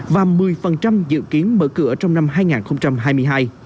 và một mươi dự kiến mở cửa trong năm hai nghìn hai mươi hai